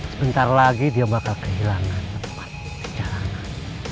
sebentar lagi dia bakal kehilangan tempat di jalanan